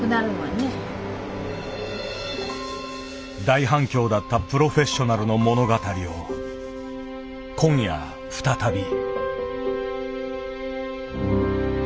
大反響だったプロフェッショナルの物語を今夜再び。